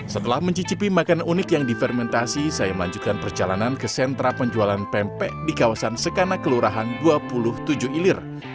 setelah mencicipi makanan unik yang difermentasi saya melanjutkan perjalanan ke sentra penjualan pempek di kawasan sekanak kelurahan dua puluh tujuh ilir